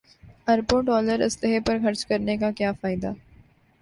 اربوں ڈالر اسلحے پر خرچ کرنے کا کیا فائدہ